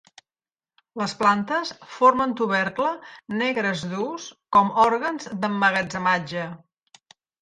Les plantes formen tubercle negres durs com òrgans d"emmagatzematge.